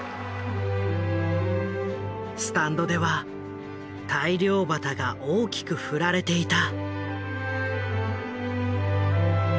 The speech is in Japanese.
スタンドでは大漁旗が大きく振られていた。